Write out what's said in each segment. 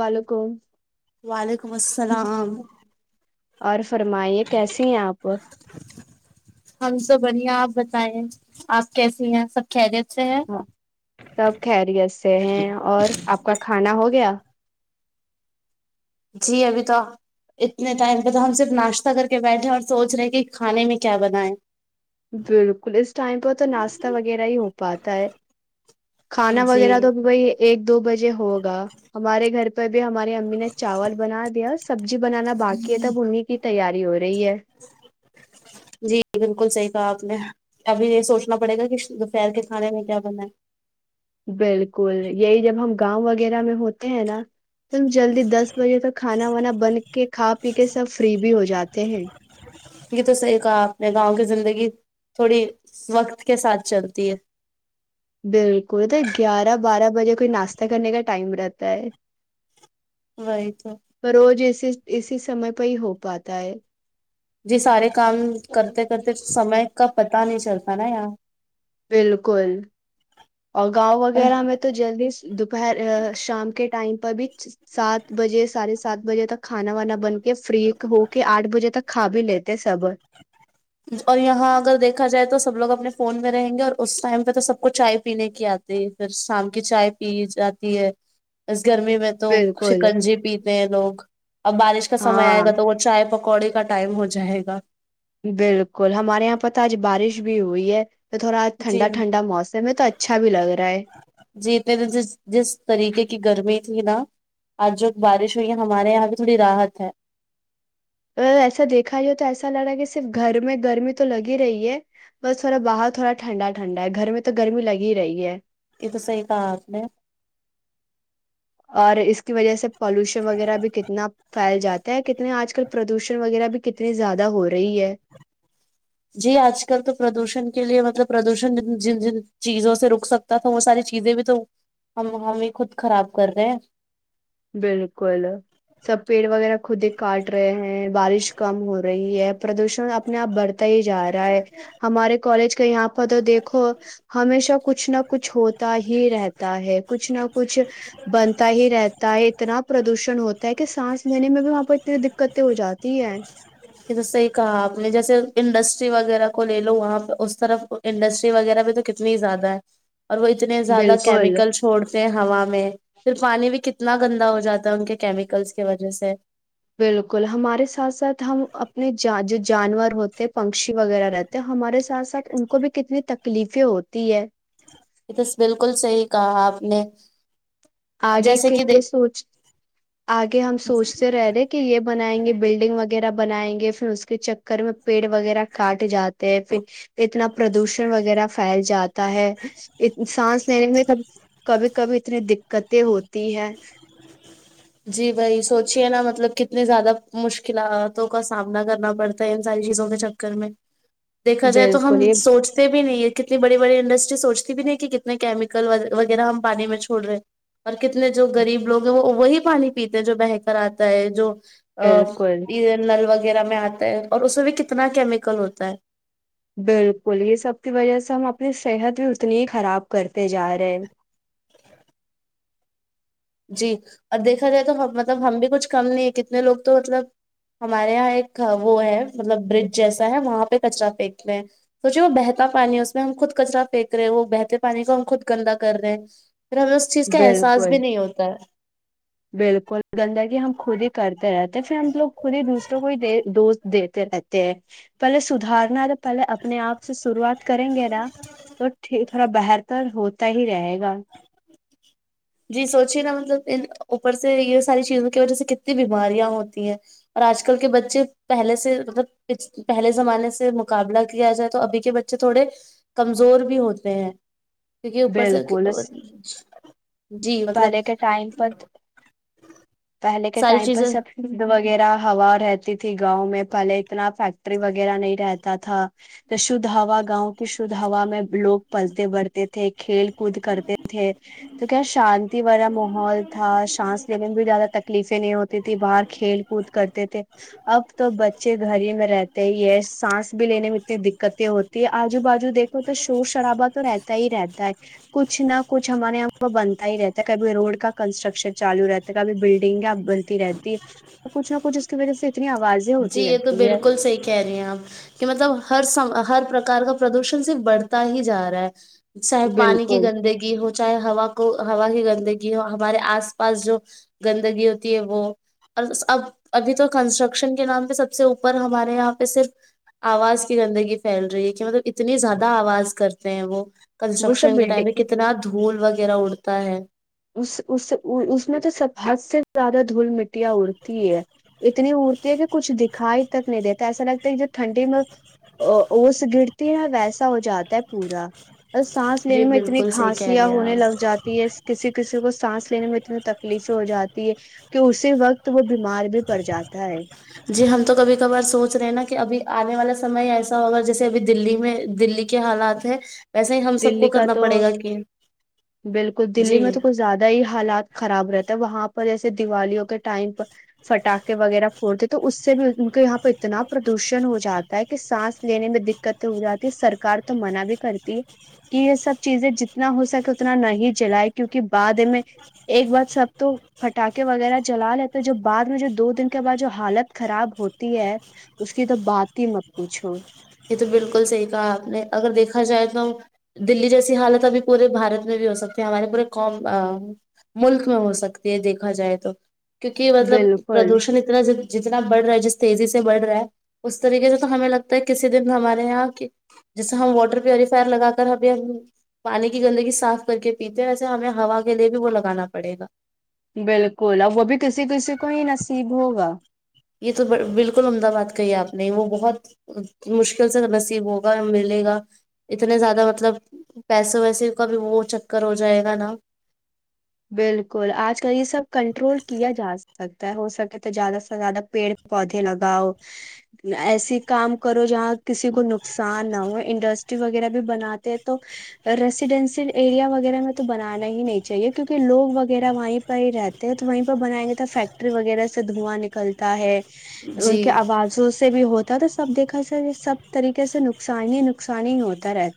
وعلیکم وعلیکم السلام اور فرمائیے کیسیے ہیں آپ ہم تو بڑھیا آپ بتائیں آپ کیسی ہیں سب کہہ رہے ہاں سب خریت سے ہیں اور آپ کا کھانا ہوگ گیا جی ابھی تو اتنے ٹائم پہ تو ہم صرف ناشتہ کر کے بیٹھے اور سوچ رہے ہیں کہ کھانے میں کیا بنائےیں بالکل اس ٹائم پر تو ناشتہ وغیرہ ہی ہو پاتا ہے کھانا جی وغیرہ تو بی ایک دو بجے ہوگا ہمارے گھر پر ہماری امی نے چاول بنا دیا سبزی بنانا باقی ہے تب انہیں کی تیاری ہو رہی ہے جی بالکل صحیح کہا آپ نے ابھی یہ سوچنا پڑے گا کہ دوپہر کے کھانے میں کیا بناائے بالکل یہی جب ہم گاؤں وغیرہ میں ہوتے ہیں نا تم جلدی دس بجے تک کھانا وانا بن کے کھا پی کے سب فری بھی ہو جاتے ہیں یہ تو صحیح کہا آپ نے گاؤں کی زندگی تھوڑی وقت کے ساتھ چلتی ہے بالکل تو گیارہ بارہ بجے کوئی ناشہ کرنے کا ٹائم رہتا ہے وہی تو پر روز اسی اسی سمے پہ ہی ہو پاتا ہے جی سارے کام کرتے کرتے سمے کا پتا نہیں چلتا پا بالکل اور گاؤں اور وغیرہ میں تو جلدی دوپہر شام کے ٹائم پر بھی سات بجے سارے سات بجے تک کھانا وانا بن فری ہو کے آٹھ بجے تک کھ بھی لےتے اور یہاں اگر دیکھا جائے تو سب لوگ اپنے فون میں رہیں گے اور اس ٹائم پہ تو سب کو چائے پینے کی آتی ہے پھر شام کی چائے پی جاتی ہے گرمی میں تو بالکل شکنجی پیتے ہیں لوگ اب بارش کا سمے آئے گا ہاں تو وہ چائے پک پکوڑے کا ٹائم ہو جائے گا بالکل ہمارے یہاں پت آج بارش بھی ہوئی ہے تو تھوڑا ٹھنڈ جی ٹنڈا موسم ہے تو اچھا لگ رہا ہے جی اتنے جس جس طریقے کی گرمی نا آج بارش ہوئی ہے ہمارے یہاں بھی تھوڑی راحت ہے ا ایسا دیکھا ج تو ایسا لگ رہا ہے کہ صرف گھر میں گرمی تو لگ ہی رہی ہے بس تھوڑا باہر تھوڑا ٹھنڈا ٹھنڈا ہے گھر میں تو گرمی لگ ہی رہی ہے یہ تو صحی کہاات نے اور اس کی وجہ سے پالوشن وغیرہ بھی کتنا پھیل جاتا ہے کتنے آج کل پردوشن وغیرہ بھی کتنی زیادہ ہو رہی ہے جی آج کل تو پردوشن کے لیے مطلب پردوشن جن جن چیزوں سے رک سکتا تھا وہ ساری چیزیں بھی تو ہم ہمیں خود خراب کر رہے ہیں بالکل سب پیڑ وغیرہ خود ہی کاٹ رہے ہیں بارش کم ہو رہی ہے پردوشن اپنے آپ بڑھتے پ ہی جا رہا ہے ہمارے کالج کہ یہاں پر تو دیکھو ہمیشہ کچھ نہ کچھ ہوتا ہی رہتا ہے کچھ نہ کچھ بنتا ہی رہتا ت اتنا پردوشن ہوتا ہے کہ سانس لینے میں بھی وہاں پہ اتنی دقتیں ہو جاتی ہے کہ جس یہ کہا اپ نے جیسے انڈس وغیرہ کو لے لو وہاں پہ اس طرف انڈسٹری وغیرہ بھی تو کتنی زیادہ ہے اور وہ اتنے زیادہ بالکل کیمیکل چھوڑتے ہیں ہوا میں پھر پانی بھی کتنا گندا ہو جاتا ہے ان کے کیمل کی وجہ سے بالکل ہمارے ساتھ ساتھ ہم اپنے جو جانور ہوتے ہیں پنکشی وغیرہ رہتے ہمارے ساتھ ساتھ ان کو بھی کتنی تکلیفیں ہوتی ہے یہ بس بالکل صحی کہا آپ نے آگے جیسے کے کہ یہ سوچ آگے ہم سوچتے رہ رہے کہ یہ بنائیں گے بلڈنگ وغیرہ بنائیں گے پھر اس کے چکر میں پیڑ وغیرہ کاٹ جاتے ہیں پھر اتنا پردوشن وغیرہ پھیل جاتا ہے سانس لینے میں ک کبھی کبھی اتنی د قتیں ہوتی ہے جی بھائی سوچے نا مطلب کتنی زیادہ مشکلاتوں کا سامنا کرنا پڑتا ہے ان ساری چیزوں کے چکر میں دیکھا جائے تو ہم بالکل یہ سوچتے بھی نہیں ہے کتنی بڑی بڑی انڈسٹری سوچتی بھی نہیں کہ کتنے کیمیکل وغیرہ ہم پانی میں چوڑ رہے ہیں اور کتنے جو غریب لو ہیں وہ وہی پانی پیتے ہیں جو بہ کر آتا ہے جو آ بالکل نلوگ وغیرہ میں آتا ہے اور اس میں بھی کتنا کیمیکل ہوتا ہے بالکل یہ سب کی وجہ سے ہم اپنی صحت بھی اتنی ہی خراب کرتے جا رہے ہیں جی اور دیکھا جائے تو مطلب ہم بھی کچھ کم نہیں ہے کتنے لوگ تو مطلب ہمارے یہاں ایک وہ ہے مطلب برج جیسا ہے وہاں پہ کچرا پھینکتے ہیں سوچے وہ بہتا پانی ہے اس میں ہم خود کچرا پھینک رہے ہیں وہ بہتے پانی کو ہم خود گندا کر رہے ہیں پھر ہمیں اس چیز کا احساس بالکل بھی نہیں ہوتا ہے بالکل گندگی ہم خود ہی کرتے رہ پھر ہم لوگ خود ہی دوسروں کو ہی دوست دتے رہتے ہیں پہلے سدھارنا پہلے اپنے آپ سے شروعات کریں گے نا تو ٹھیک تھوڑا بہتتر ہوتا ہی رہے گا جی سوچے نا مطلب ان اوپر سے یہ ساری چیزوں کی وجہ سے کتنی بیماریاں ہوتی ہیں اور آج کل کے بچے پہلے سے مطلب پہلے زمانے سے مقابلہ کیا جائے تو ابھی کے بچے تھوڑے کمزور بھی ہوتے ہیں کیونکہ اوپر سے بالکل اس- جی مطلب پہلے کے ٹائم پر پہلے کے ساری ٹائم پر چیزیں سب شد وغیرہ ہوا رہتی تھی گاؤں میں پہلے اتنا فیکٹری وغیرہ نہیں رہتا تھا تو شھ ہوا گاؤں کی شھ ہوا میں لوگ پستے بڑھتے تھ کھیل کود کرتے تھے تو کیا شانتی وورہم محول تھا سانس لینے میں بھی زیادہ تکلیفیں نہیں ہوتی ت باہر کھیل کود کرتے تھے اب تو بچے گھر ہی میں رہتے ہی یہ سانس بھی لینے میں اتنی دقتیں ہوتی ہے آجو بازو دیکھو تو شور شرابا تو رہتا ہی رہتا ہے کچھ نہ کچھ ہمارے یہاں پ بنتا ہی رہتا ہے کبھی روڈ کا کنسٹرکشن چالو رہتا ہے کبھی بلڈنگیا بنتی رہتی کچھ نہ کچھ اس کی وجہ سے اتنی آوازیں جی ہوتی یہ تو رہتی ہے بالکل صحی کہہ رہی ہیں آپ کہ مطلب ہر سم ہر پرکار کا پردوشن صرف بڑھتا ہی جا رہا ہے شاید پانی کی بالکل گندگی ہوتی چاہے ہوا کو ہوا کی گندگی ہو ہمارے آس پاس جو گندگی ہوتی ہے وہ اور اب ابھی تو کنسٹرکشن کے نام پہ سب سے اوپر ہمارے یہاں پہ صرف آواز کی گندگی پھیل رہی ہے کہ مطلب اتنی زیادہ آواز کرتے ہیں وہ وہ سب کنسٹرکشن کے ٹائم میں بلڈنگ کتنا دھول وغیرہ اڑتا تا ہے اس اس اس میں تو سب حد سے زیادہ دھول مٹیاں اڑتی ہے اتنی اڑتی ہے کہ کچھ دکھائی تک نہیں دیتا ایسا لگتا ہے کہ جو ٹھنڈی میں اوس گرتی ہے نا ویسا ہو جا ہے پورا اور سانس جی لینے میں اتنی بالکل صحیح کہہ کھانسیاں رہی ہیں ہونے آپ لگ جاتی ہے کسی کسی کو سانس لینے میں اتنی تکلیفیں ہو جاتی ہے کہ اسی وقت وہ بیمار بھی پڑ جاتا ہے جی ہم تو کبھی کبھار سوچ رہے ہیں نا کہ ابھی [unintelligible] آنے والا سمے ایسا ہوگا جیسے ابھی دلی میں دلی کے حالات ہیں [unintelligible] دلی کا تو بالکل دلی میں جی تو کچھ زیادہ ہی حالات خراب رہتے [unintelligible] وہاں پر جیسے دیوالیوں کے ٹائم پ پٹاخے وغیرہ پھوڑتے تو اس سے بھی ان کے یہاں پہ اتنا پردوشن ہو جاتا ہے کہ سانس لینے میں دقت ہو جاتی ہے سرکار تو منع بھی کرتی ہے [unintelligible] کہ یہ سب چیزیں جتنا ہو سکے اتنا نہیں جلائے کیونکہ بعد میں ایک بار سب تو پٹاخے وغیرہ جلا لیتے جو بعد میں جو دو دن کے بعد جو حالت خراب ہوتی ہے اس کی تو بات ہی مت پوچھو [unintelligible] یہ تو بالکل صحیح کہا آپ نے اگر دیکھا جائے تو دلی جیسی حالت ابھی پورے بھارت میں بھی ہو سکتی ہمارے پورےوم ملک میں ہو سکتی ہے دیکھا جائے تو [unintelligible] کیونکہ مطلب بالکل پردوشن اتنا [unintelligible] جتنا بڑھ رہا ہے جس تیزی سے بڑھ رہا ہے اس طریقے سے تو ہمیں لگتا ہے [unintelligible] کسی دن ہمارے یہاں جیسے ہم واٹر پیوریفائر لگا کر ابھی ہم پانی کی گندگی صاف کر کے پیتے ہیں ویسے ہمیں ہوا کے لیے بھی وہ لگانا پڑے گا [unintelligible] بالکل اب وہ بھی کسی کسی کو ہی نصیب ہوگا [unintelligible] یہ تو بالکل امدہ باد کہی آپ نے وہ بہت مشکل سے نصیب ہوگا ملے گا اتنے زیادہ مطلب پیسے ویسے کا بھی وہ چکر ہو جائے گا نا [unintelligible] بالکل آج کل یہ سب کنٹرول کیا جا سک [unintelligible] سکتا ہے ہو سکے تو زیادہ سے زیادہ پیڑ پودے لگاؤ ایسی کام کرو جہاں کسی کو نقصان نہ ہو انڈسٹری وغیرہ بھی بناتے ہیں تو ریسیڈینسل ایریا وغیرہ میں تو بنانا ہی نہیں چاہیے [unintelligible] کیونکہ لوگ وغیرہ وہیں پہ ہی رہتے ہیں تو وہیں پہ بنائیں گے تو فیکٹری وغیرہ سے دھواں نکلتا ہے [unintelligible] ان جی کے آوازوں سے بھی ہوتا [unintelligible] تو سب دیکھا س یہ سب طریقے سے نقصانی ہی نقصانی ہی ہوتا رہتا [unintelligible]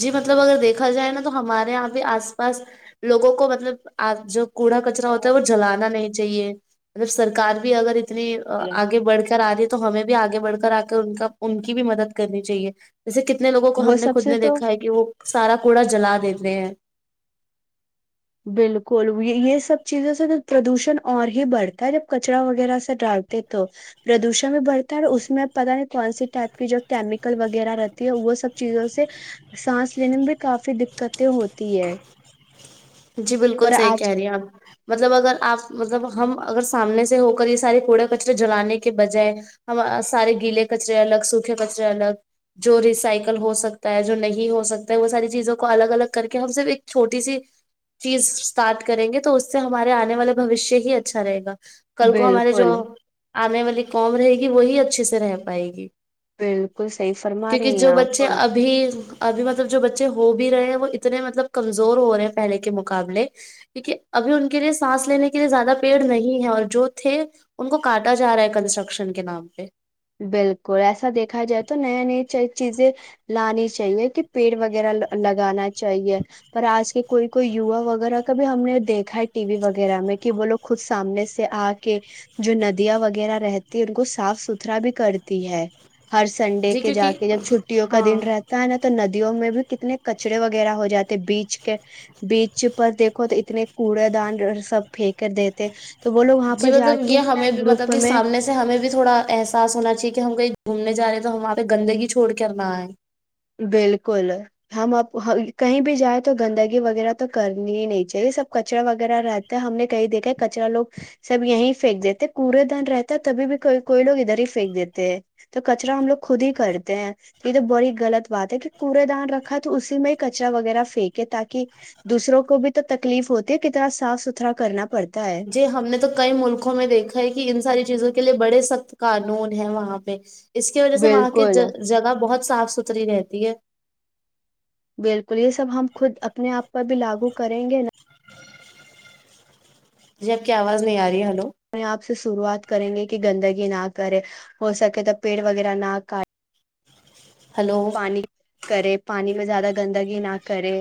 جی مطلب اگر دیکھا جائے نا تو ہمارا [unintelligible] یہ پہ آس پاس لوگوں کو مطلبپ جو [unintelligible] کوڑا کچرا ہوتا ہے وہ جلانا نہیں چاہیے [unintelligible] مطلب سکار بھی اگر [unintelligible] اتنی آگے بڑھ کر آ رہی [unintelligible] تو ہمیں بھی آگے بڑھ کر آ کر ان کا ان کی بھی مدد کرنی چاہیے [unintelligible] جیس کتنے لووں کو ہم وہ نے سب خود سے نے تو دیکا [unintelligible] کہ وہ سارا کوڑا جلا دیتے ہیں [unintelligible] بالکل یہ سب چیزوں سے تو پردوشن اور ہی بڑھتا ہے جب کچرا وغیرہ سے ڈالتے تو پردوشن بھی بڑھتا ہے اور اس میں پتاہ نہیں کون سی ٹائپ کی جو کیمیکل وغیرہ رہتی ہے وہ سب چیزوں سے سانس لینے میں بھی کافی دقتیں ہوتی ہے [unintelligible] جی بالکل پر صحیح کہہ آج رہی ہیں آپ [unintelligible] مطلب اگر آپ مطلب ہم اگر سامنے سے ہو کر یہ سارے کوڑے کچرے جلانے کے بجائے ہم سارے گیلے کچرے الگ سوکھے کچرے الگ جو ریسائیکل ہو سکتا ہے جو نہیں ہو سکتا ہے وہ ساری چیزوں کو الگ الگ کر کے ہم صف ایک چھوٹی سی [unintelligible] چیز اسٹارٹ کریں گے تو اس سے ہمارے آنے والے بھشیہ ہی اچھا رہے گا [unintelligible] کل کو ہمارے جو بالکل [unintelligible] آنے والی کوم رہے گی وہی اچھے سے رہ پائے گی بالکل صحیح [unintelligible] فرما کیونکہ رہی ہیں جو آپ بچے ابھی ابھی مط [unintelligible] جو بچے ہو بھی رہے ہیں وہ اتنے مطلب کمزور ہو رہے ہیں پہلے کے [unintelligible] کے مقابلے کیکہ ابھی ان کے لیے سانس لینے کے لیے زیادہ پیڑ نہیں ہے اور جو تھے ان کو کاٹا جا رہا ہے کنسٹرکشن کے نام پہ [unintelligible] بالکل ایسا دیکھا جائے تو نئے نئی چیزیں لانی چاہیے کہ پیڑ وغیرہ لگانا چاہیے پر آج کے کوئی کوئی یوا وغیرہ کا بھی ہم نے دیکھا ہے ٹی وی وغیرہ میں کہ وہ لوگ خود سامنے سے آ کے جو ندیاں وغیرہ رہتی ان کو صاف ست ترا بھی کرتی ہے [unintelligible] ہر سنڈے جی کے جا کیونکہ کے جب چھٹیوں کا ہاں دن رہتا ہے نا تو ند [unintelligible] نی میں بھی کتنے کچرے وغیرہ ہو جاتے بیچ کے بیچ پر دیکھو تو اتنے کوڑے دان سب پھینک دیتے [unintelligible] جی پر جا مطلب کے یہ نا ہمیں بھی گروپ مطلب میں سامنے سے ہمیں بھی تھوڑا ایسا ساس ہونا چاہیے کہ ہم کہیں گھومنے جا رہے ہیں تو ہم وہاں پہ گندگی چھوڑ کر نہ آئے بالکل ہم اب کہیں بھی جائیں تو گندگی وغیرہ تو کرنی ہی نہیں چاہیے سب کچرا وغیرہ رہتا ہے ہم نے کہیں دیکھا ہے کچرا لوگ سب یہیں پھینک دیتے کوورے دن رہتا ہے تبھی بھی کوئی لوگ ادھر ہی پھینک دیتے ہیں تو کچرا ہم لوگ خود ہی کرتے ہیں یہ تو بڑی غلط بات ہے کہ کوڑے دان رکھا تو اسی میں ہی کچرا وغیرہ پھینکے تاکہ دوسروں کو بھی تو تکلیف ہوتی ہے کتنا صاف ستھرا کرنا پڑتا ہے جی ہم نے تو کئی ملکوں میں دیکھا ہے کہ ان ساری چیزوں کے لیے بڑے سخت قانون ہے وہاں پہ اس کی وجہ سے وہاں کی بالکل جگہ بہت صاف ستھری رہتی ہے بالکل یہ سب ہم خود اپنے آپ پر بھی لاگو کریں گے نا جی آپ کی آواز نہیں آ رہی ہے ہلو ہمنے آپ سے شروعات کریں گے کہ گندگی نہ کرے ہو سکے تو پیڑ وغیرہ نہ کاٹے ہلو پانی کرے پانی میں زیادہ گندگی نہ کرے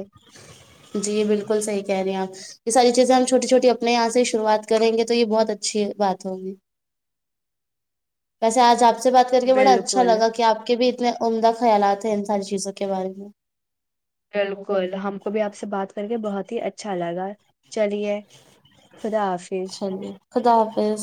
جی بالکل صحی کہہ رہے ہیں آپ یہ ساری چیزیں چھوٹی چھوٹی اپنے یہاں سے ہی شروعات کریں گے تو یہ بہت اچھی بات ہوگی ویسے آج آپ سے بات کر کے بڑا اچھا بالکل لگ کہ آ کے بھی اتنے عمدہ خیالات ہیں ان ساری چیزوں کے بارے میں بالکل ہم کو بھی آپ سے بات کر کے بہت ہی اچھا لگا چلیے خدا چ حافظ چلیے خدا حافظ